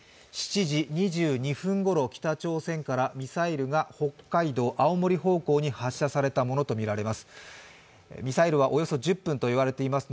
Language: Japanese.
７時２２分ごろ、北朝鮮から北海道、青森方向にミサイルが発射されたものとみられます。